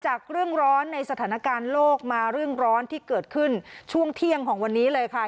จากเรื่องร้อนในสถานการณ์โลกมาเรื่องร้อนที่เกิดขึ้นช่วงเที่ยงของวันนี้เลยค่ะ